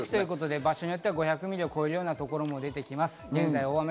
場所によっては５００ミリを超える所が出てきます。